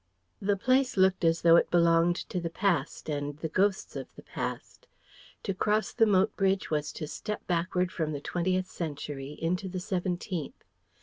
The place looked as though it belonged to the past and the ghosts of the past. To cross the moat bridge was to step backward from the twentieth century into the seventeenth.